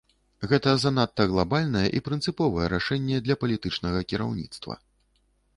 Гэта занадта глабальнае і прынцыповае рашэнне для палітычнага кіраўніцтва.